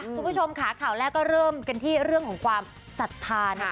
คุณผู้ชมค่ะข่าวแรกก็เริ่มกันที่เรื่องของความศรัทธานะคะ